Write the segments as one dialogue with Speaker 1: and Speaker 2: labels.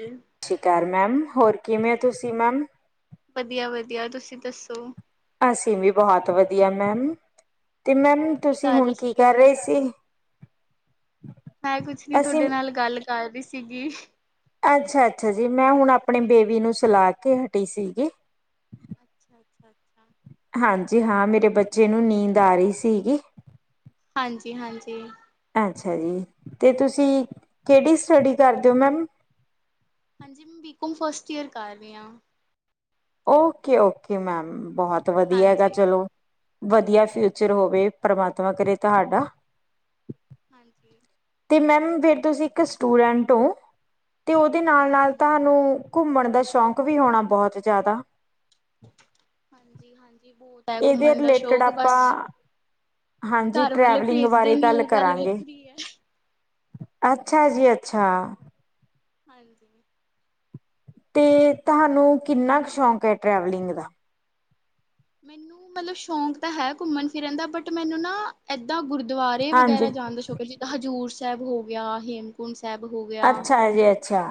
Speaker 1: ਹ [inaudible]
Speaker 2: ਸ਼ੀ ਕਾਲ ਮੈਮ ਹੋਰ ਕਿਵੇਂ ਓ ਤੁਸੀਂ ਮੈਮ?
Speaker 1: ਵਧੀਆ-ਵਧੀਆ ਤੁਸੀਂ ਦੱਸੋ?
Speaker 2: ਅਸੀਂ ਵੀ ਬੋਹਤ ਵਧੀਆ ਮੈਮ। ਤੇ ਮੈਮ
Speaker 1: ਹੋਰ ਕੀ
Speaker 2: ਤੁਸੀਂ
Speaker 1: ਕਰ ਰਹੇ
Speaker 2: ਹੁਣ ਕੀ
Speaker 1: ਸੀਗੇ
Speaker 2: ਕਰ ਰੇ ਸੀ?
Speaker 1: ਮੈਂ ਕੁਛ ਨੀ
Speaker 2: ਅਸੀਂ
Speaker 1: ਥੋਡੇ ਨਾਲ ਗੱਲ ਕਰ ਰੀ ਸੀਗੀ।
Speaker 2: ਅੱਛਾ-ਅੱਛਾ ਜੀ। ਮੈਂ ਹੁਣ ਆਪਣੀ ਬੇਬੀ ਨੂੰ ਸਿਲਾ ਕੇ ਹਟੀ ਸੀਗੀ।
Speaker 1: ਅੱਛਾ-ਅੱਛਾ।
Speaker 2: ਹਾਂਜੀ ਹਾਂ ਮੇਰੇ ਬੱਚੇ ਨੂੰ ਨੀਂਦ ਆਰੀ ਸੀਗੀ।
Speaker 1: ਹਾਂਜੀ-ਹਾਂਜੀ।
Speaker 2: ਅੱਛਾ ਜੀ ਤੇ ਤੁਸੀਂ ਕੇੜੀ ਸਟੱਡੀ ਕਰਦੇ ਓ ਮੈਮ?
Speaker 1: ਹਾਂਜੀ ਮੈਂ ਬੀਕੌਮ ਫਸਟ ਈਅਰ ਕਰ ਰੀਆ।
Speaker 2: ਓਕੇ-ਓਕੇ ਮੈਮ ਬੋਹਤ ਵਧੀਆ ਹੈਗਾ
Speaker 1: ਹਾਂਜੀ
Speaker 2: ਚਲੋ ਵਧੀਆ ਫਿਊਚਰ
Speaker 1: ਹਾਂਜੀ
Speaker 2: ਹੋਵੇ ਪਰਮਾਤਮਾ ਕਰੇ ਤੁਹਾਡਾ।
Speaker 1: ਹਾਂਜੀ।
Speaker 2: ਤੇ ਮੈਮ ਫੇਰ ਤੁਸੀਂ ਇੱਕ ਸਟੂਡੈਂਟ ਓ ਤੇ ਓਦੇ
Speaker 1: ਹਾਂਜੀ ਹਾਂਜੀ
Speaker 2: ਨਾਲ-ਨਾਲ ਤੁਹਾਨੂੰ ਘੁੰਮਣ ਦਾ ਸ਼ੌਂਕ ਵੀ ਹੋਣਾ ਬੋਹਤ ਜਾਦਾ?
Speaker 1: ਹਾਂਜੀ-ਹਾਂਜੀ ਬੋਤ ਐ
Speaker 2: ਇਹਦੇ
Speaker 1: ਘੁੰਮਣ ਦਾ
Speaker 2: ਰਿਲੇਟਿਡ
Speaker 1: ਸ਼ੌਕ ਬਸ
Speaker 2: ਆਪਾਂ ਹਾਂਜੀ
Speaker 1: ਘਰ ਵਾਲੇ
Speaker 2: ਟਰੈਵਲਿੰਗ
Speaker 1: ਭੇਜਦੇ
Speaker 2: ਬਾਰੇ
Speaker 1: ਨੀ ਓ ਗੱਲ
Speaker 2: ਕਰਾਂਗੇ।
Speaker 1: ਵੱਖਰੀ ਐ।
Speaker 2: ਅੱਛਾ ਜੀ ਅੱਛਾ।
Speaker 1: ਹਾਂਜੀ।
Speaker 2: ਤੇ ਤੁਹਾਨੂੰ ਕਿੰਨਾ ਕੁ ਸ਼ੌਂਕ ਏ ਟਰੈਵਲਿੰਗ ਦਾ?
Speaker 1: ਮੈਨੂੰ ਮਤਲਬ ਸ਼ੌਂਕ ਤਾਂ ਹੈ ਘੁੰਮਣ ਫਿਰਨ ਦਾ ਬਟ ਮੈਨੂੰ ਨਾ ਐਦਾਂ ਗੁਰ ਦੁਆਰੇ
Speaker 2: ਹਾਂਜੀ
Speaker 1: ਵਗੈਰਾ ਜਾਨ ਦਾ ਸ਼ੌਕ ਜਿੱਦਾਂ ਹਜ਼ੂਰ ਸਾਹਿਬ ਹੋ ਗਿਆ, ਹੇਮਕੁੰਟ ਸਾਹਿਬ ਹੋ ਗਿਆ।
Speaker 2: ਅੱਛਾ ਜੀ ਅੱਛਾ,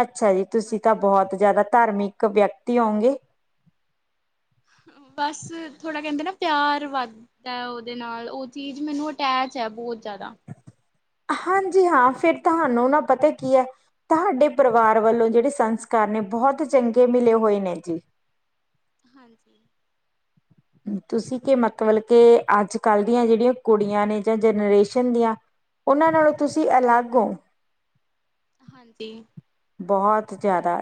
Speaker 2: ਅੱਛਾ ਜੀ ਤੁਸੀਂ ਤਾਂ ਬਹੁਤ ਜਾਦਾ ਧਾਰਮਿਕ ਵਿਅਕਤੀ ਹੋਓਗੇ।
Speaker 1: ਬਸ ਥੋੜ੍ਹਾ ਕੈਂਦੇ ਨਾ ਪਿਆਰ ਵੱਧ ਤਾਂ ਉਦੇ ਨਾਲ ਉ ਚੀਜ਼ ਮੈਨੂੰ ਅਟੈਚ ਐ ਬੋਤ ਜਾਦਾ।
Speaker 2: ਹਾਂਜੀ ਹਾਂ ਫੇਰ ਤੁਆਨੂੰ ਨਾ ਪਤਾ ਕੀ ਐ ਤੁਹਾਡੇ ਪਰਿਵਾਰ ਵੱਲੋਂ ਜੇੜੇ ਸੰਸਕਾਰ ਨੇ ਬਹੁਤ ਚੰਗੇ ਮਿਲੇ ਹੋਏ ਨੇ ਜੀ।
Speaker 1: ਹਾਂਜੀ।
Speaker 2: ਤੁਸੀਂ ਕਿ ਮਤਬਲ ਕੇ ਅੱਜ ਕੱਲ ਦੀਆਂ ਜੇੜੀਆਂ ਕੁੜੀਆਂ ਨੇ ਜਾਂ ਜਨਰੇਸ਼ਨ ਦੀਆਂ ਉਨਾਂ ਨਾਲੋਂ ਤੁਸੀਂ ਅਲੱਗ ੳ।
Speaker 1: ਹਾਂਜੀ।
Speaker 2: ਬੋਹੁਤ ਜਾਦਾ।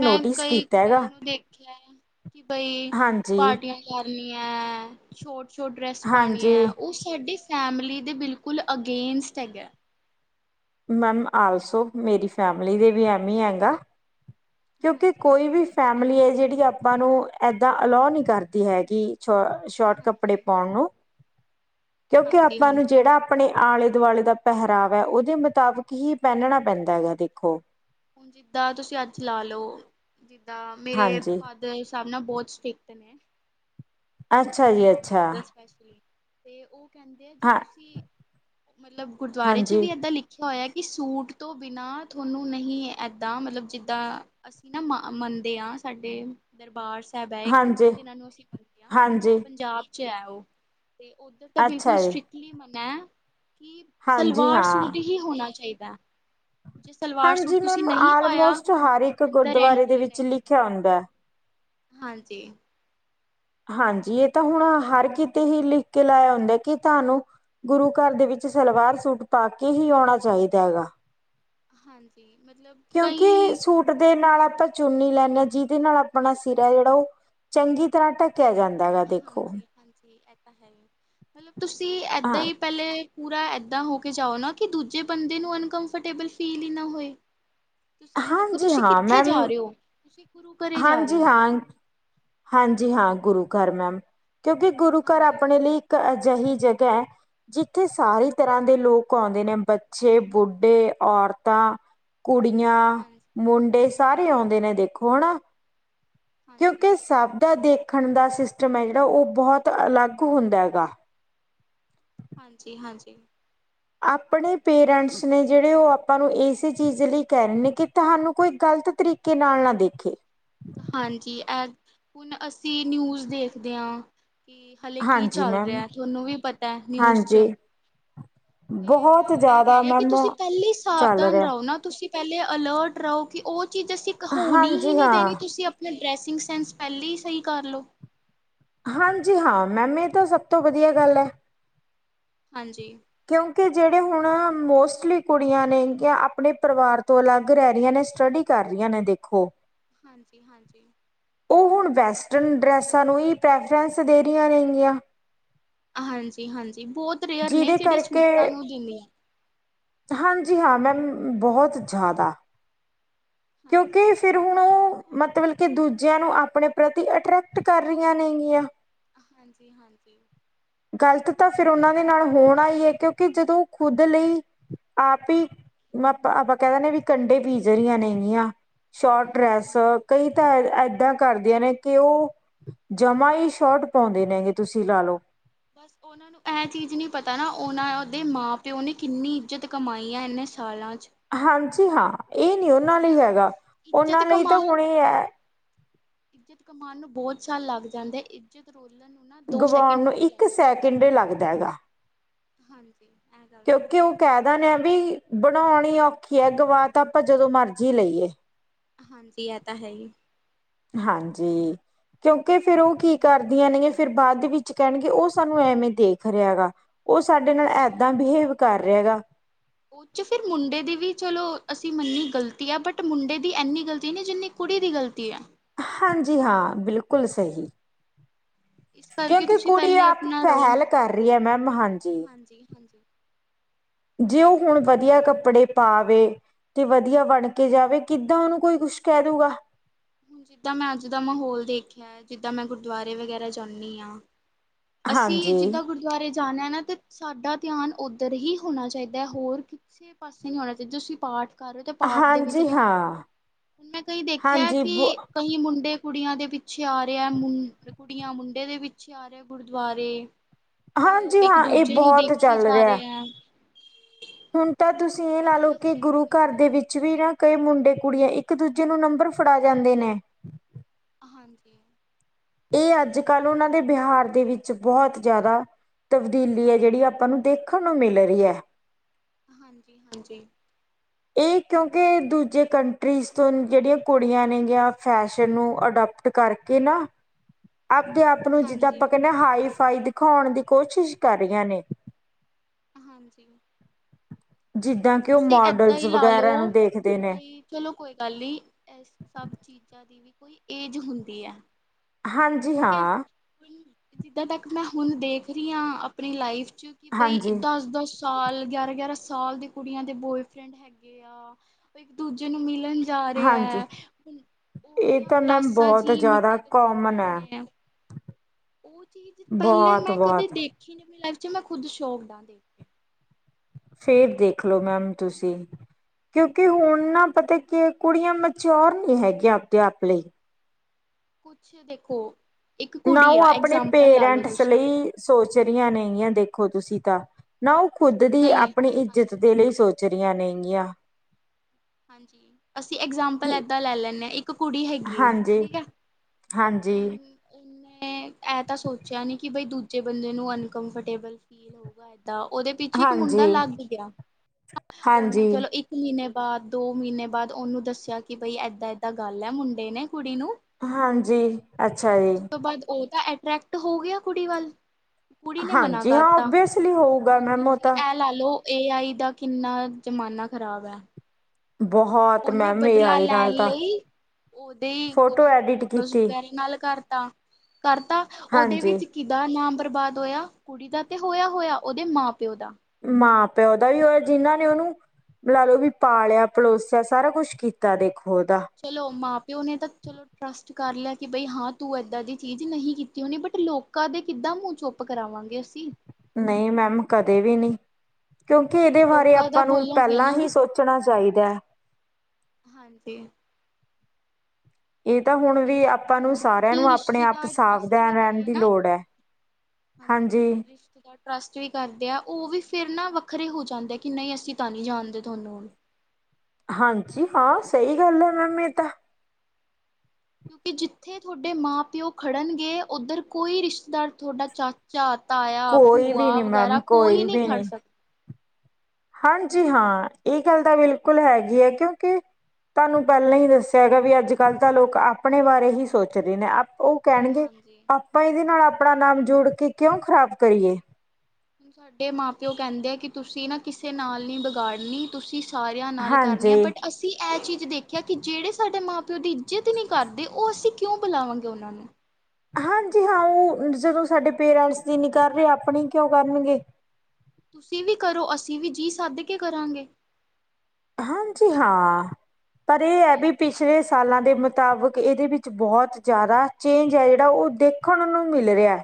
Speaker 1: ਮੈਂ ਕਈ ਕੁੜੀਆਂ ਨੂੰ ਦੇਖਿਆ ਯਾ ਕਿ ਬਈ
Speaker 2: ਹਾਂਜੀ
Speaker 1: ਪਾਰਟੀਆਂ ਕਰਨੀ ਐ ਸ਼ੋਟ-ਸ਼ੋਟ ਡਰੈਸ ਪਾਨੀ ਐ
Speaker 2: ਹਾਂਜੀ
Speaker 1: ਉ ਸਾਡੇ ਫੈਮਿਲੀ ਦੇ ਬਿਲਕੁਲ ਅਗੇਨਸਟ ਹੈਗੈ।
Speaker 2: ਮੈਮ ਆਲਸੋ ਮੇਰੀ ਫੈਮਿਲੀ ਦੇ ਵੀ ਐਵੇ ਈ ਹੈਗਾ। ਕਿਉਂਕਿ
Speaker 1: ਹਾਂਜੀ
Speaker 2: ਕੋਈ ਵੀ
Speaker 1: ਮਤਲਬ
Speaker 2: ਫੈਮਿਲੀ
Speaker 1: ਸਾਨੂੰ
Speaker 2: ਏ ਜੇੜੀ ਆਪਾਂ ਨੂੰ ਏਦਾਂ ਅਲਾਓ ਨੀ ਕਰਦੀ ਹੈਗੀ ਛ ਸ਼ੋਟ ਕੱਪੜੇ
Speaker 1: ਹਾਂਜੀ
Speaker 2: ਪੋਣ ਨੂੰ, ਕਿਉਂਕਿ ਆਪਾਂ ਨੂੰ
Speaker 1: ਹਾਂਜੀ-ਹਾਂਜੀ,
Speaker 2: ਜੇੜਾ ਆਪਣੇ ਆਲੇ ਦੁਆਲੇ ਦਾ ਪਹਿਰਾਵਾ ਏ ਉਦੇ ਮੁਤਾਬਿਕ ਹੀ ਪਹਿਨਣਾ ਪੈਂਦਾ ਹੈਗਾ ਦੇਖੋ।
Speaker 1: ਹੁਨ ਜਿੱਦਾਂ ਤੁਸੀਂ ਅੱਜ ਲਾ ਲੋ ਜਿੱਦਾਂ ਮੇਰੇ
Speaker 2: ਹਾਂਜੀ
Speaker 1: ਫਾਦਰ ਦਰ ਸਾਬ ਨਾ ਬੋਤ ਸਟ੍ਰਿਕਟ ਨੇ
Speaker 2: ਅੱਛਾ
Speaker 1: ਇਸ
Speaker 2: ਜੀ
Speaker 1: ਮਾਮਲੇ
Speaker 2: ਅੱਛਾ
Speaker 1: ਦਾ ਸਪੈਸ਼ਲੀ ਤੇ ਉ ਕੈਂਦੇ ਆ ਜੇ
Speaker 2: ਹਾਂ
Speaker 1: ਤੁਸੀਂ ਮਲਬ ਗੁਰਦੁਆਰੇ 'ਚ
Speaker 2: ਹਾਂਜੀ,
Speaker 1: ਵੀ ਐਦਾ ਲਿਖਿ ਲਿਖਿਆ ਹੋਇਆ, ਕਿ ਸੂਟ ਤੋਂ ਬਿਨਾਂ ਤੁਹਾਨੂੰ ਨਹੀਂ ਏਦਾਂ, ਮਤਲਬ ਜਿੱਦਾਂ ਅਸੀਂ ਨਾ ਮ ਮੰਨਦੇ ਹਾਂ, ਸਾਡੇ ਦਰਬਾਰ ਸਾਹਿਬ ਹੈ ਇੱਕ,
Speaker 2: ਹਾਂਜੀ,
Speaker 1: ਜਿਨਾਂ ਨੂੰ ਅਸੀਂ ਮੰਦੇ ਹਾਂ।
Speaker 2: ਹਾਂਜੀ।
Speaker 1: ਪੰਜਾਬ 'ਚ ਹੈ ਉਹ, ਤੇ ਉੱਧਰ ਤਾਂ ਬਿਲਕੁਲ
Speaker 2: ਅੱਛਾ ਜੀ,
Speaker 1: ਸਟ੍ਰਿਕਟਲੀ ਮਨਾ ਹੈ। ਕਿ,
Speaker 2: ਹਾਂਜੀ
Speaker 1: ਸਲਵਾਰ ਸੂਟ
Speaker 2: ਹਾਂ।
Speaker 1: ਹੀ ਹੋਣਾ ਚਾਹੀਦਾ ਹੈ।
Speaker 2: ਹਾਂਜੀ ਮੈਮ, ਆਲਮੋਸਟ ਹਰ ਇੱਕ
Speaker 1: ਅੰਦਰ
Speaker 2: ਗੁਰਦੁਆਰੇ ਦੇ
Speaker 1: ਐਂਟਰੀ
Speaker 2: ਵਿੱਚ
Speaker 1: ਨਹੀਂ
Speaker 2: ਲਿਖਿਆ ਹੁੰਦਾ ਹੈ।
Speaker 1: ਹਾਂਜੀ।
Speaker 2: ਹਾਂਜੀ, ਇਹ ਤਾਂ ਹੁਣ ਹਰ ਕਿਤੇ ਹੀ ਲਿਖ ਕੇ ਲਾਇਆ ਹੁੰਦਾ, ਕਿ ਤੁਹਾਨੂੰ ਗੁਰੂ ਘਰ ਦੇ ਵਿੱਚ, ਸਲਵਾਰ ਸੂਟ ਪਾ ਕੇ ਹੀ ਆਉਣਾ ਚਾਹੀਦਾ ਹੈਗਾ।
Speaker 1: ਹਾਂਜੀ, ਮਤਲਬ
Speaker 2: ਕਿਉਂਕਿ
Speaker 1: ਕਈ
Speaker 2: ਸੂਟ- ੱਸੂਟ ਦੇ ਨਾਲ ਆਪਾਂ ਚੁੰਨੀ ਲੈਂਦੇ ਹਾਂ, ਜਿਹਦੇ ਨਾਲ ਆਪਣਾ ਸਿਰਾ ਜਿਹੜਾ, ਉਹ ਚੰਗੀ ਤਰ੍ਹਾਂ ਢੱਕਿਆ ਜਾਂਦਾ। ਹੈਗਾ ਦੇਖੋ
Speaker 1: ਹਾਂਜੀ ਹਾਂਜੀ, ਇਹ ਤਾਂ ਹੈ। ਮਤਲਬ ਤੁਸੀਂ ਇੱਦਾਂ
Speaker 2: ਹਾਂ।
Speaker 1: ਹੀ ਪਹਿਲੇ ਪੂਰਾ ਏਦਾਂ ਹੋ ਕੇ ਜਾਓ ਨਾ, ਕਿ ਦੂਜੇ ਬੰਦੇ ਨੂੰ ਅਨਕਫਰਟੇਬਲ ਫੀਲ ਹੀ ਨਾ ਹੋਏ। ਤੁਸੀਂ ਇਹ ਦੇਖੋ,
Speaker 2: ਹਾਂਜੀ
Speaker 1: ਤੁਸੀਂ
Speaker 2: ਹਾਂ
Speaker 1: ਕਿੱਥੇ ਜਾ
Speaker 2: ਮੈਮ
Speaker 1: ਰਹੇ ਹੋ, ਤੁਸੀਂ ਗੁਰੂ ਘਰੇ ਜਾ ਰਹੇ
Speaker 2: ਹਾਂਜੀ
Speaker 1: ਹੋ।
Speaker 2: ਹਾਂ ਹਾਂਜੀ ਹਾਂ, ਗੁਰੂ ਘਰ ਮੈਮ, ਕਿਉਂਕਿ ਗੁਰੂ ਘਰ
Speaker 1: ਹਾਂਜੀ
Speaker 2: ਆਪਣੇ ਲਈ ਇੱਕ ਅਜਿਹੀ ਜਗ੍ਹਾ ਹੈ ਜਿੱਥੇ ਸਾਰੀ ਤਰ੍ਹਾਂ ਦੇ ਲੋਕ ਆਉਂਦੇ ਨੇ-ਬੱਚੇ, ਬੁੱਢੇ, ਔਰਤਾਂ ਕੁੜੀਆਂ,
Speaker 1: ਹਾਂਜੀ
Speaker 2: ਮੁੰਡੇ,
Speaker 1: ਹਾਂ
Speaker 2: ਸਾਰੇ ਆਉਂਦੇ ਨੇ ਦੇਖੋ, ਹਨਾ।
Speaker 1: ਹਾਂਜੀ
Speaker 2: ਕਿਉਂਕਿ, ਸਭ ਦਾ ਦੇਖਣ ਦਾ ਸਿਸਟਮ ਹੈ ਜਿਹੜਾ, ਉਹ ਬਹੁਤ ਅਲੱਗ ਹੁੰਦਾ ਹੈਗਾ।
Speaker 1: ਹਾਂਜੀ-ਹਾਂਜੀ।
Speaker 2: ਆਪਣੇ ਪੇਰੈਂਟਸ ਨੇ ਜਿਹੜੇ, ਉਹ ਆਪਾਂ ਨੂੰ ਇਸੇ ਚੀਜ਼ ਲਈ ਕਹਿ ਰਹੇ ਨੇ, ਕਿ ਤੁਹਾਨੂੰ ਕੋਈ ਗ਼ਲਤ ਤਰੀਕੇ ਤਰੀਕੇ ਨਾਲ ਨਾ ਦੇਖੇ।
Speaker 1: ਹਾਂਜੀ, ਐ ਹੁਣ ਅਸੀਂ ਨਿਊਜ਼ ਦੇਖਦੇ ਹਾਂ ਕੀ ਹਲੇ ਕੀ
Speaker 2: ਹਾਂਜੀ
Speaker 1: ਚੱਲ
Speaker 2: ਮੈਮ
Speaker 1: ਰਿਹਾ, ਤੁਹਾਨੂੰ ਵੀ ਪਤਾ ਹੈ ਨਿਊਜ਼'ਚ।
Speaker 2: ਹਾਂਜੀ
Speaker 1: ਤੇ
Speaker 2: ਬਹੁਤ
Speaker 1: ਮੈਂ ਇਹ ਕਹਿ
Speaker 2: ਜ਼ਿਆਦਾ
Speaker 1: ਰਹੀ ਹਾ, ਕਿ
Speaker 2: ਮੈਮ
Speaker 1: ਤੁਸੀਂ ਪਹਿਲੇ
Speaker 2: ਚੱਲ
Speaker 1: ਸਾਵਧਾਨ
Speaker 2: ਰਿਹਾ
Speaker 1: ਰਹੋ ਨਾ, ਤੁਸੀਂ ਪਹਿਲੇ ਅਲਰਟ ਰਹੋ, ਕਿ ਉਹ ਚੀਜ਼ ਅਸੀਂ, ਕਹਾਉਣ ਹੀ
Speaker 2: ਹਾਂਜੀ
Speaker 1: ਨਹੀਂ
Speaker 2: ਹਾਂ,
Speaker 1: ਦੇਣੀ। ਤੁਸੀਂ ਆਪਣਾ ਡਰੈਸਿੰਗ ਸੈਂਸ, ਪਹਿਲੇ ਹੀ ਸਹੀ ਕਰ ਲਓ।
Speaker 2: ਹਾਂਜੀ ਹਾਂ, ਮੈਮ ਇਹ ਤਾਂ ਸਭ ਤੋਂ ਵਧੀਆ ਗੱਲ ਹੈ।
Speaker 1: ਹਾਂਜੀ।
Speaker 2: ਕਿਉਂਕਿ ਜਿਹੜੇ ਹੁਣ ਮੋਸਟਲੀ ਕੁੜੀਆਂ ਨੇ, ਜਾਂ ਆਪਣੇ ਪਰਿਵਾਰ ਤੋਂ ਅਲੱਗ ਰਹਿ ਰਹੀਆਂ ਨੇ, ਸਟੱਡੀ ਕਰ ਰਹੀਆਂ ਨੇ ਦੇਖੋ।
Speaker 1: ਹਾਂਜੀ-ਹਾਂਜੀ।
Speaker 2: ਉਹ ਹੁਣ, ਵੈਸਟਰਨ ਡਰੈਸਾਂ ਨੂੰ ਹੀ ਪ੍ਰੈਫਰੈਂਸ ਦੇ ਰਹੀਆਂ ਨੇਗੀਆਂ।
Speaker 1: ਹਾਂਜੀ-ਹਾਂਜੀ, ਬਹੁਤ ਰੇਅਰ ਨੇ
Speaker 2: ਜਿਹਦੇ
Speaker 1: ਜਿਹੜੀ
Speaker 2: ਕਰਕੇ
Speaker 1: ਸੂਟਾਂ ਨੂੰ ਦਿੰਦੀ ਆ।
Speaker 2: ਹਾਂਜੀ ਹਾਂ, ਮੈਮ ਬਹੁਤ ਜ਼ਿਆਦਾ, ਕਿਉਂਕਿ ਫਿਰ
Speaker 1: ਹਾਂਜੀ
Speaker 2: ਫੇਰ ਹੁਣ ਉਹ, ਮਤਲਬ ਕਿ ਦੂਜਿਆਂ ਨੂੰ ਆਪਣੇ ਪ੍ਰਤੀ, ਅਟਰ੍ਰੈਕਟ ਕਰ ਰਹੀਆਂ ਨੇਗੀਆਂ।
Speaker 1: ਹਾਂਜੀ-ਹਾਂਜੀ।
Speaker 2: ਗ਼ਲਤ ਤਾਂ, ਫਿਰ ਉਹਨਾਂ ਦੇ ਨਾਲ ਹੋਣਾ ਹੀ ਹੈ। ਕਿਉਂਕਿ ਜਦੋਂ ਖੁਦ ਲਈ ਆਪ ਹੀ ਆਪਾਂ ਕਹਿ ਦਿੰਦੇ ਵੀ, ਕੰਢੇ ਬੀਜ ਰਹੀਆਂ ਨੇਗੀਆਂ। ਸ਼ੋਟ
Speaker 1: ਹਾਂਜੀ
Speaker 2: ਡਰੈਸ,
Speaker 1: ਹਾਂ
Speaker 2: ਕਈ ਤਾਂ ਏਦਾਂ ਕਰਦੀਆਂ ਨੇ ਕਿ ਉਹ ਜਮਾ ਹੀ ਸ਼ੋਰਟ ਪਾਉਂਦੇ ਨੇਗੇ, ਤੁਸੀਂ ਲਾ ਲਓ।
Speaker 1: ਬਸ ਉਹਨਾਂ ਨੂੰ ਇਹ ਚੀਜ਼ ਨਹੀਂ ਪਤਾ ਨਾ, ਉਹਨਾਂ ਉਹ ਦੇ ਮਾਂ ਪਿਓ ਨੇ, ਕਿੰਨੀ ਇੱਜ਼ਤ ਕਮਾਈ ਹੈ ਇਨੇ ਸਾਲਾਂ 'ਚ।
Speaker 2: ਹਾਂਜੀ ਹਾਂ, ਇਹ ਨੀ ਉਹਨਾਂ ਲਈ
Speaker 1: ਉਹ
Speaker 2: ਹੈਗਾ,
Speaker 1: ਇੱਜ਼ਤ
Speaker 2: ਉਹਨਾਂ ਲਈ ਤਾਂ
Speaker 1: ਕਮਾਉਣ
Speaker 2: ਹੁਣ
Speaker 1: ਤੋਂ
Speaker 2: ਇਹ ਹੈ।
Speaker 1: ਤਾਂ ਇੱਜ਼ਤ ਕਮਾਉਣ ਨੂੰ ਬਹੁਤ ਸਾਲ ਲੱਗ ਜਾਂਦੇ ਹੈ, ਇੱਜ਼ਤ ਰੋਲਣ ਨੂੰ ਨਾ ਦੋ ਸੈਕਿੰਡ
Speaker 2: ਗਵਾਉਣ ਨੂੰ
Speaker 1: ਵੀ ਨਹੀਂ
Speaker 2: ਇੱਕ
Speaker 1: ਲੱਗਦੇ।
Speaker 2: ਸੈਕਿੰਡ ਲੱਗਦਾ ਹੈਗਾ।
Speaker 1: ਹਾਂਜੀ। ਇਹ ਗੱਲ ਤਾਂ ਹੈ
Speaker 2: ਕਿਉਂਕਿ
Speaker 1: ਹੀ।
Speaker 2: ਉਹ ਕਹਿ ਦਿੰਦੇ ਆ ਵੀ, ਬਣਾਉਣੀ ਔਖੀ ਹੈ, ਗਵਾ ਤਾਂ ਆਪਾਂ ਜਦੋਂ ਮਰਜ਼ੀ ਲਈਏ।
Speaker 1: ਹਾਂਜੀ, ਇਹ ਤਾਂ ਹੈਹੀ।
Speaker 2: ਹਾਂਜੀ, ਕਿਉਂਕਿ ਫੇਰ ਉਹ ਕੀ ਕਰਦੀਆਂ ਨੇ ਫਿਰ ਬਾਅਦ ਦੇ ਵਿੱਚ ਕਹਿਣਗੇ, ਉਹ ਸਾਨੂੰ ਐਵੇਂ ਦੇਖ ਰਿਹਾ ਹੈਗਾ, ਉਹ ਸਾਡੇ ਨਾਲ
Speaker 1: ਹਾਂ।
Speaker 2: ਏਦਾਂ ਬਿਹੇਵ ਕਰ ਰਿਹਾ ਗਾ।
Speaker 1: ਉਹ ਚ ਫਿਰ ਮੁੰਡੇ ਦੀ ਵੀ, ਚਲੋ ਅਸੀਂ ਮੰਨੀ ਗਲਤੀ ਆ, ਬਟ ਮੁੰਡੇ ਦੀ ਇੰਨੀ ਗ਼ਲਤੀ ਨਹੀਂ ਜਿੰਨੀ ਕੁੜੀ ਦੀ ਗਲਤੀ ਹੈ।
Speaker 2: ਹਾਂਜੀ-ਹਾਂ, ਬਿਲਕੁਲ ਸਹੀ।
Speaker 1: ਇਸ ਕਰਕੇ
Speaker 2: ਕਿਉਂਕਿ
Speaker 1: ਤੁਸੀਂ
Speaker 2: ਕੁੜੀ
Speaker 1: ਪਹਿਲੇ
Speaker 2: ਆਪ
Speaker 1: ਆਪਣਾ ਰਹੋ।
Speaker 2: ਪਹਿਲ ਕਰ ਰਹੀ ਹੈ ਮੈਮ ਹਾਂਜੀ।
Speaker 1: ਹਾਂਜੀ-ਹਾਂਜੀ।
Speaker 2: ਜੇ ਉਹ ਹੁਣ ਵਧੀਆ ਕੱਪੜੇ ਪਾਵੇ ਤੇ ਵਧੀਆ ਬਣ ਕੇ ਜਾਵੇ, ਕਿੱਦਾਂ ਉਹਨੂੰ ਕੋਈ ਕੁਛ ਕਹਿ ਦੂਗਾ।
Speaker 1: ਹੁਣ ਜਿੱਦਾਂ ਮੈਂ ਅੱਜ ਦਾ ਮਾਹੌਲ ਦੇਖਿਆ, ਜਿੱਦਾਂ ਮੈਂ ਗੁਰਦੁਆਰੇ ਵਗੈਰਾ ਜਾਂਦੀ ਹਾਂ। ਅਸੀਂ
Speaker 2: ਹਾਂਜੀ
Speaker 1: ਜਿੱਦਾਂ ਗੁਰਦੁਆਰੇ ਜਾਣਾ ਨਾ, ਤਾਂ ਸਾਡਾ ਧਿਆਨ ਉੱਧਰ ਹੀ ਹੋਣਾ ਚਾਹੀਦਾ ਹੈ, ਹੋਰ ਕਿ ਕਿਸੇ ਪਾਸੇ ਨਹੀਂ ਹੋਣਾ ਚਾਹੀਦਾ, ਜੇ ਤੁਸੀ ਪਾਠ ਕਰ ਰਹੋ ਤੇ ਪਾਠ ਦੇ ਵਿੱਚ
Speaker 2: ਹਾਂਜੀ ਹਾਂ
Speaker 1: ਧਿਆਨ ਰੱਖੋ, ਹੁਣ ਮੈਂ ਕਈ ਦੇਖਿਆ
Speaker 2: ਹਾਂਜੀ
Speaker 1: ਕਿ
Speaker 2: ਬ
Speaker 1: ਕਈ ਮੁੰਡੇ ਕੁੜੀਆਂ ਦੇ ਪਿੱਛੇ ਆ ਰਿਹਾ, ਮੁ ਕੁੜੀਆਂ ਮੁੰਡੇ ਦੇ ਪਿੱਛੇ ਆ ਰਿਹਾ ਗੁਰਦੁਆਰੇ, ਉ
Speaker 2: ਹਾਂਜੀ ਹਾਂ ਇਹ
Speaker 1: ਇੱਕ-ਦੂਜੇ ਨੂੰ
Speaker 2: ਬਹੁਤ
Speaker 1: ਦੇਖੀ
Speaker 2: ਚੱਲ
Speaker 1: ਜਾ ਰਿਹਾ ਹੈ।
Speaker 2: ਹੁਣ ਤਾਂ ਤੁਸੀਂ ਇਹ
Speaker 1: ਉਹ
Speaker 2: ਲਾ ਲਓ
Speaker 1: ਚੀਜ਼
Speaker 2: ਕਿ
Speaker 1: ਨਹੀਂ
Speaker 2: ਗੁਰੂ
Speaker 1: ਹੋਣੀ
Speaker 2: ਘਰ ਦੇ
Speaker 1: ਚਾਹੀਦੀ।
Speaker 2: ਵਿੱਚ ਵੀ ਨਾ ਕਈ ਮੁੰਡੇ-ਕੁੜੀਆਂ ਇੱਕ ਦੂਜੇ ਨੂੰ ਨੰਬਰ ਫੜਾ ਜਾਂਦੇ ਨੇ।
Speaker 1: ਹਾਂਜੀ।
Speaker 2: ਇਹ ਅੱਜ-ਕੱਲ੍ਹ ਉਹਨਾਂ ਦੇ ਬਿਹਾਰ ਦੇ ਵਿੱਚ ਬਹੁਤ ਜ਼ਿਆਦਾ ਤਬਦੀਲੀ ਹੈ ਜਿਹੜੀ ਆਪਾਂ ਨੂੰ ਦੇਖਣ ਨੂੰ ਮਿਲ ਰਹੀ ਹੈ।
Speaker 1: ਹਾਂਜੀ-ਹਾਂਜੀ।
Speaker 2: ਇਹ ਕਿਉਂਕਿ ਦੂਜੇ ਕੰਟਰੀਜ਼ ਤੋਂ ਜਿਹੜੀਆਂ ਕੁੜੀਆਂ ਨੇ ਗੀਆਂ ਫੈਸ਼ਨ ਨੂੰ ਅਡੋਪਟ ਕਰਕੇ ਨਾ
Speaker 1: [inaudible]
Speaker 2: ਆਪਦੇ-ਆਪ ਨੂੰ ਜਿੱਦਾਂ ਆਪਾਂ
Speaker 1: ਹਾਂਜੀ,
Speaker 2: ਕਹਿੰਦੇਾ ਹਾਈ-ਫਾਈ ਦਿਖਾਉਣ ਦੀ ਕੋਸ਼ਿਸ਼ ਕਰ ਰਹੀਆਂ ਨੇ।
Speaker 1: ਹਾਂਜੀ।
Speaker 2: ਜਿੱਦਾਂ ਕਿ ਉ
Speaker 1: ਤੁਸੀਂ ਏਦਾਂ
Speaker 2: ਮੋਡਲਸ
Speaker 1: ਹੀ ਲਾ
Speaker 2: ਵਗੈਰਾ
Speaker 1: ਲਓ
Speaker 2: ਨੂੰ ਦੇਖਦੇ
Speaker 1: ਕਿ
Speaker 2: ਨੇ।
Speaker 1: ਬਈ ਚਲੋ ਕੋਈ ਗੱਲ ਨੀ, ਇਸ ਸਭ ਚੀਜ਼ਾਂ ਦੀ ਵੀ ਕੋਈ ਏਜ ਹੁੰਦੀ ਹੈ।
Speaker 2: ਹਾਂਜੀ-
Speaker 1: ਠੀਕ ਹੈ
Speaker 2: ਹਾਂ।
Speaker 1: ਜਿੱਦਾਂ ਤੱਕ ਮੈਂ ਹੁਣ ਦੇਖ ਰਹੀ ਹਾਂ ਆਪਣੀ ਲਾਈਫ 'ਚ ਕਿ ਬਈ
Speaker 2: ਹਾਂਜੀ
Speaker 1: ਦਸ-ਦਸ। ਸਾਲ ਗਿਆਰਾਂ-ਗਿਆਰਾਂ ਸਾਲ ਦੀ ਕੁੜੀਆਂ ਦੇ ਬੋਏਫਰੈਂਡ ਹੈਗੇ ਆ। ਇੱਕ-ਦੂਜੇ ਨੂੰ ਮਿਲਣ ਜਾ
Speaker 2: ਹਾਂਜੀ
Speaker 1: ਰਿਹੇਆ।
Speaker 2: ਇਹ
Speaker 1: ਉਹਦੀਆਂ
Speaker 2: ਤਾਂ ਮੈਮ
Speaker 1: ਕਲਾਸਾਂ
Speaker 2: ਬਹੁਤ
Speaker 1: ਚੀ
Speaker 2: ਜ਼ਿਆਦਾ ਕੋਮਨ
Speaker 1: ਬੋਏਫ੍ਰੈਂਡ
Speaker 2: ਹੈ
Speaker 1: ਨੇ। ਉਹ ਚੀਜ਼ ਪਹਿਲੇ ਮੈਂ ਕਦੇ
Speaker 2: ਬਹੁਤ-ਬਹੁਤ
Speaker 1: ਦੇਖੀ ਨਹੀਂ ਮੇਰੀ ਲਾਈਫ ਚ ਮੈਂ ਖੁਦ ਸ਼ੌਂਹਕਡ ਹਾ ਦੇਖ ਕੇ।
Speaker 2: ਫੇਰ ਦੇਖਲੋ ਮੈਮ ਤੁਸੀਂ। ਕਿਉਂਕਿ ਹੁਣ ਨਾ ਪਤਾ ਕੀ ਕੁੜੀਆਂ ਮਚਓਰ ਨੀ ਹੈਗੀਆਂ ਆਪਦੇ- ਆਪ ਲਈ।
Speaker 1: ਕੁਛ ਦੇਖੋ ਇੱਕ
Speaker 2: ਨਾ
Speaker 1: ਕੁੜੀ
Speaker 2: ਉ
Speaker 1: ਆ
Speaker 2: ਆਪਣੇ
Speaker 1: ਐਗਜਾਮਪਲ ਲਾ ਲਓ
Speaker 2: ਪੇਰੈਂਟਸ
Speaker 1: ਤੁਸੀਂ
Speaker 2: ਲਈ ਸੋਚ ਰਹੀਆਂ ਨੇ ਨਹੀ ਗੀਆਂ ਦੇਖੋ ਤੁਸੀਂ ਤਾਂ ਨਾ ਉਹ ਖੁੱਦ ਦੀ
Speaker 1: ਨਹੀਂ
Speaker 2: ਆਪਣੀ ਇੱਜਤ
Speaker 1: ਹਾਂਜੀ
Speaker 2: ਦੇ ਲਈ ਸੋਚ ਚਰੀਆਂ ਨੇ ਏਨੀਆ।
Speaker 1: ਹਾਂਜੀ ਅਸੀਂ ਐਗਜਾਮਪਲ
Speaker 2: ਕਿ
Speaker 1: ਏਦਾਂ ਲੈ ਲੈਂਨੇ ਆਂ ਏਕ ਕੁੜੀ ਹੈਗੀ ਏ,
Speaker 2: ਹਾਂਜੀ
Speaker 1: ਠੀਕ ਏ
Speaker 2: ਹਾਂਜੀ।
Speaker 1: ੳਨੇ ਐ ਤਾਂ ਸੋਚਿਆ ਨੀ ਕਿ ਬਈ ਦੂਜੇ ਬੰਦੇ ਨੂੰ ਅਨਕਫਰਟੇਬਲ ਫੀਲ ਹੋਊਗਾ ਦਾ ੳਦੇ ਪਿੱਛੇ ਏਕ ਮੁੰਡਾ
Speaker 2: ਹਾਂਜੀ
Speaker 1: ਲੱਗ ਗਿਆ, ਉਨੇ
Speaker 2: ਹਾਂਜੀ
Speaker 1: ਚਲੋ ਏਕ ਮੀਨੇ ਬਾਦ ਦੋ ਮੀਨੇ ਬਾਦ ਉਨੂੰ ਦੱਸਿਆ ਕਿ ਬਈ ਐਦਾਂ-ਐਦਾਂ ਗੱਲ ਐ, ਮੁੰਡੇ ਨੇ ਕੁੜੀ ਨੂੰ
Speaker 2: ਹਾਂਜੀ।
Speaker 1: ਤੇ
Speaker 2: ਅੱਛਾ ਜੀ
Speaker 1: ਉਸ ਤੋਂ ਬਾਦ ਉ ਤਾਂ ਅਟਰ੍ਰੈਕਟ ਹੋ ਗਿਆ ਕੁੜੀ ਵੱਲ। ਕੁੜੀ ਨੇ ਮਨਾ
Speaker 2: ਹਾਂਜੀ ਹਾਂ
Speaker 1: ਕਾਰਤਾ,
Speaker 2: ਓਬੀਅਸਲੀ ਹੋਊਗਾ
Speaker 1: ਹੁਨ
Speaker 2: ਮੈਮ ਉਹ
Speaker 1: ਤੁਸੀਂ
Speaker 2: ਤਾਂ
Speaker 1: ਐ ਲਾ ਲੋ ਏ ਆਈ ਦਾ ਕਿੰਨਾ ਜ਼ਮਾਨਾ ਖ਼ਰਾਬ ਐ।
Speaker 2: ਬਹੁਤ
Speaker 1: ਉਨੇ
Speaker 2: ਮੈਮ ਏ
Speaker 1: ਬਦਲਾ
Speaker 2: ਆਈ
Speaker 1: ਲੈਨ
Speaker 2: ਨਾਲ ਤਾਂ
Speaker 1: ਲਈ ਉਦੇ
Speaker 2: ਫੋਟੋ
Speaker 1: ਕੁਛ
Speaker 2: ਐਡਿਟ
Speaker 1: ਫੋਟੋਸ
Speaker 2: ਕੀਤੀ
Speaker 1: ਵਗੈਰਾ ਨਾਲ ਕਰਤਾ, ਕਰਤਾ ਉਦੇ
Speaker 2: ਹਾਂਜੀ
Speaker 1: ਵਿੱਚ ਕਿਦਾ ਨਾਮ ਬਰਬਾਦ ਹੋਇਆ ਕੁੜੀ ਦਾ ਤੇ ਹੋਇਆ-ਹੋਇਆ ਉਦੇ ਮਾਂ ਪਿਓ ਦਾ।
Speaker 2: ਮਾਂ ਪਿਓ ਦਾ ਈ ਹੋਇਆ ਜਿਨਾਂ ਨੇ ਉਨੂੰ ਲਾ ਲੋ ਵੀ ਪਾਲਿਆ ਪਲੋਸਿਆ ਸਾਰਾ ਕੁਛ ਕੀਤਾ ਦੇਖੋ ਉਦਾ।
Speaker 1: ਚਲੋ ਮਾਂ ਪਿਓ ਨੇ ਤਾਂ ਚਲੋ ਟਰਸਟ ਕਰ ਲਿਆ ਕਿ ਬਈ ਹਾਂ ਤੂੰ ਏਦਾਂ ਦੀ ਚੀਜ਼ ਨਹੀਂ ਕੀਤੀ ਹੋਨੀ ਬਟ ਲੋਕਾਂ ਦੇ ਕਿੱਦਾਂ ਮੂੰਹ ਚੋ ਪ ਕਰਾਵਾਂਗੇ ਅਸੀਂ।
Speaker 2: ਨਈ ਮੈਮ ਕਦੇ ਵੀ ਨਈ ਕਿਉਂਕਿ ਇਦੇ ਬਾਰੇ
Speaker 1: ਲੋਕਾਂ ਦਾ
Speaker 2: ਆਪਾਂ ਨੂੰ
Speaker 1: ਬੋਲਣਗੇ
Speaker 2: ਪੈਲਾਂ
Speaker 1: ਨਾ
Speaker 2: ਹੀ ਸੋਚ ਸੋਚਣਾ ਚਾਈਦੈ।
Speaker 1: ਹਾਂਜੀ।
Speaker 2: ਇਹ ਤਾਂ ਹੁਣ
Speaker 1: ਕੀ
Speaker 2: ਵੀ ਆਪਾਂ ਨੂੰ ਸਾਰਿਆਂ ਨੂੰ ਆਪਣੇ ਆਪ
Speaker 1: ਰਿਸ਼ਤੇਦਾਰ ਟਰੱਸਟ ਵੀ
Speaker 2: ਸਾਵਧਾਨ ਰਹਿਣ
Speaker 1: ਕਰੀਏ
Speaker 2: ਦੀ
Speaker 1: ਨਾ
Speaker 2: ਲੋੜ ਹੈ
Speaker 1: ਹਾਂਜੀ ਜਿਹੜੇ ਰਿਸ਼ ਟਰੱਸਟ ਵੀ ਕਰਦੇ ਆ, ਉਹ ਵੀ ਫਿਰ ਨਾ ਵੱਖਰੇ ਹੋ ਜਾਂਦੇ ਆ ਕਿ ਨਹੀਂ ਅਸੀਂ ਤਾਂ ਨਹੀਂ ਜਾਣਦੇ ਤੁਹਾਨੂੰ
Speaker 2: ਹਾਂਜੀ ਹਾਂ ਸਹੀ ਗੱਲ ਐ ਮੈਮ ਇਹ ਤਾਂ
Speaker 1: ਕਿਉਂਕਿ ਜਿੱਥੇ ਤੁਹਾਡੇ ਮਾਂ- ਪਿਓ ਖੜਨਗੇ ਉੱਧਰ ਕੋਈ ਰਿਸ਼ਤੇਦਾਰ ਤੁਹਾਡਾ ਚਾਚਾ ਚਾਚਾ, ਤਾਇਆ,
Speaker 2: ਕੋਈ ਵੀ
Speaker 1: ਭੂਆ
Speaker 2: ਨਹੀਂ
Speaker 1: ਵਗੈਰਾ
Speaker 2: ਮੈਮ
Speaker 1: ਕੋਈ ਨਈ
Speaker 2: ਵੀ
Speaker 1: ਖੜ
Speaker 2: ਨਹੀਂ
Speaker 1: ਸਕਦਾ
Speaker 2: ਹਾਂਜੀ
Speaker 1: ਹਮ
Speaker 2: ਹਾਂ, ਇਹ ਗੱਲ ਤਾਂ ਬਿਲਕੁਲ ਹੈਗੀ ਐ ਕਿਉਂਕਿ ਤਾਨੂੰ ਪਹਿਲਾਂ ਈ ਦੱਸਿਆ ਹੈਗਾ ਵੀ ਅੱਜ -ਕੱਲ ਤਾਂ ਲੋਕ ਆਪਣੇ ਬਾਰੇ ਹੀ ਸੋਚਦੇ ਨੇ ਉਹ ਕਹਿਣਗੇ,
Speaker 1: ਹਾਂਜੀ
Speaker 2: ਆਪਾਂ ਇਹਦੇ ਨਾਲ ਆਪਣਾ ਨਾਮ ਜੋੜ ਕੇ ਕਿਉਂ ਖ਼ਰਾਬ ਕਰੀਏ।
Speaker 1: ਸਾਡੇ ਮਾਂ- ਪਿਓ ਕਹਿੰਦੇ ਆ ਕਿ ਤੁਸੀਂ ਨਾ ਕਿਸੇ ਨਾਲ ਨੀ ਬਗਾੜਨੀ ਤੁਸੀਂ ਸਾਰਿਆਂ ਨਾਲ ਕਰਨੀ ਆ
Speaker 2: ਹਾਂਜੀ
Speaker 1: ਬਟ ਅਸੀਂ ਇਹ ਚੀਜ਼ ਦੇਖਿਆ ਕਿ ਜਿਹੜੇ ਸਾਡੇ ਮਾਂ- ਪਿਓ ਦੀ ਇੱਜ਼ਤ ਨਈ ਕਰਦੇ ਉਹ ਅਸੀਂ ਕਿਉਂ ਬੁਲਾਵਾਂਗੇ ਉਹਨਾਂ ਨੂੰ
Speaker 2: ਹਾਂਜੀ ਹਾਂ ਉਹ ਜਦੋਂ ਸਾਡੇ ਪੇਰੈਂਟਸ ਦੀ ਨੀ ਕਰ ਰਹੇ ਆਪਣੀ ਕਿਉਂ ਕਰਨਗੇ।
Speaker 1: ਤੁਸੀਂ ਵੀ ਕਰੋ, ਅਸੀਂ ਵੀ ਜੀਅ ਸੱਦਕੇ ਕਰਾਂਗੇ।
Speaker 2: ਹਾਂਜੀ ਹਾਂ, ਪਰ ਇਹ ਆ ਵੀਛ ਪਿਛਲੇ ਸਾਲਾਂ ਦੇ ਮੁਤਾਬਕ ਇਹਦੇ ਵਿੱਚ ਬਹੁਤ ਜ਼ਿਆਦਾ ਚੇਂਜ ਐ ਜਿਹੜਾ ਉਹ ਦੇਖਣ ਨੂੰ ਮਿਲ ਰਿਹਾ।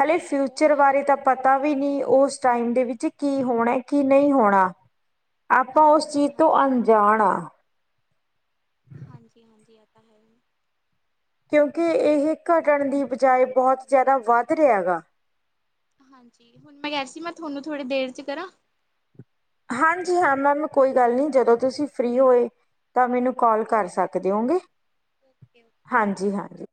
Speaker 2: ਹਲੇ
Speaker 1: ਹਾਂਜੀ ਬਹੁਤ
Speaker 2: ਫਿਊਚਰ
Speaker 1: ਜ਼ਿਆਦਾ
Speaker 2: ਬਾਰੇ ਤਾਂ
Speaker 1: ਚੇਂਜ
Speaker 2: ਪਤਾ
Speaker 1: ਆਇਆ
Speaker 2: ਵੀ ਨਈ ਉਸ ਟਾਈਮ ਦੇ ਵਿੱਚ ਕੀ ਹੋਣਾ ਕੀ ਨਹੀਂ ਹੋਣਾ, ਆਪਾਂ ਉਸ ਚੀਜ਼
Speaker 1: ਹਾਂਜੀ
Speaker 2: ਤੋਂ
Speaker 1: ਹਾਂਜੀ
Speaker 2: ਅੰ ਜਾਣਾ
Speaker 1: ਹਾਂਜੀ ਹਾਂਜੀ ਇਹ ਤਾ ਹੈ।
Speaker 2: ਕਿਉਂਕਿ ਇਹ ਘਟਣ ਦੀ ਬਜਾਏ ਬਹੁਤ ਜਿਆਦਾ ਵੱਧ ਰਿਹਾ ਗਾ।
Speaker 1: ਹਾਂਜੀ ਹੁਣ ਮੈਂ ਜੈਸਿਮਾ ਤਾਹਨੂ ਥੋੜੀ ਦੇਰ ਚ ਕਰਾਂ
Speaker 2: ਹਾਂਜੀ ਹਾਂ ਮੈਮ ਕੋਈ ਗੱਲ ਨੀ, ਜਦੋਂ ਤੁਸੀਂ ਫਰੀ ਹੋਏ ਤਾਂ ਮੈਨੂੰ ਕੋਲ ਕਰ
Speaker 1: ਓਕੇ
Speaker 2: ਸਕਦੇਓਗੇ,
Speaker 1: ਓਕੇ ਓਕੇ ਠੀਕ
Speaker 2: ਹਾਂਜੀ ਹਾਂਜੀ।